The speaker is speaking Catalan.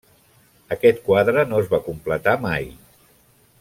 Aquest quadre no es va completar mai.